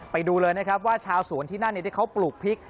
ไปดูเลยนะครับว่าชาวสวนที่นั่นที่เขาปลูกพริก